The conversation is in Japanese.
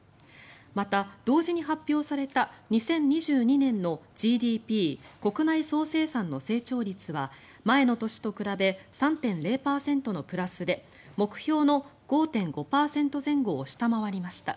また、同時に発表された２０２２年のＧＤＰ・国内総生産の成長率は前の年と比べ３．０％のプラスで目標の５．５％前後を下回りました。